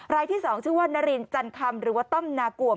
รายที่๒ชื่อว่านารินจันคำหรือว่าต้อมนากวม